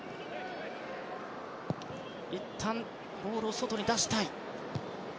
いったんボールを外に出したい。